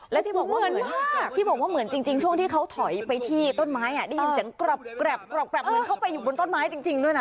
และที่บอกว่าเหมือนที่บอกว่าเหมือนจริงช่วงที่เขาถอยไปที่ต้นไม้ได้ยินเสียงกรอบเหมือนเข้าไปอยู่บนต้นไม้จริงด้วยนะ